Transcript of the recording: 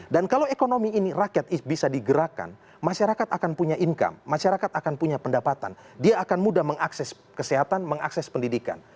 dan kalau ekonomi ini rakyat bisa digerakkan masyarakat akan punya income masyarakat akan punya pendapatan dia akan mudah mengakses kesehatan mengakses pendidikan